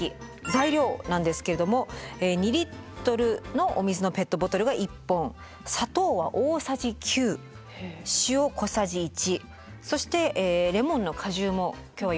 材料なんですけれども２リットルのお水のペットボトルが１本砂糖は大さじ９塩小さじ１そしてレモンの果汁も今日は用意しました。